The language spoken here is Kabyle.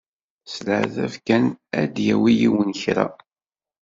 S leεtab kan ara d-yawi yiwen kra.